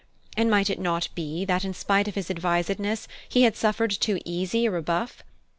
And might it not be that, in spite of his advisedness, he had suffered too easy a rebuff?